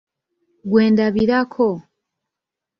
Gwe ndabirako.